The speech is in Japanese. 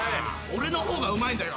俺の方がうまいんだよ。